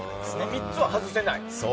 ３つは外せないと。